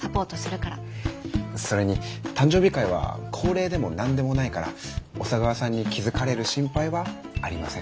それに誕生日会は恒例でも何でもないから小佐川さんに気付かれる心配はありません。